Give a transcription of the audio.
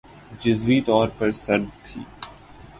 جزوی طور پر سرد تھِی